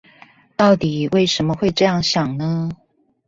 到底為什麼會這樣想呢？